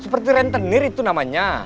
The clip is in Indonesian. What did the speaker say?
seperti rentenir itu namanya